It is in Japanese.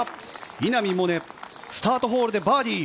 稲見萌寧、スタートホールでバーディー。